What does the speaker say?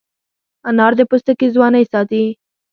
انار د پوستکي ځوانۍ ساتي.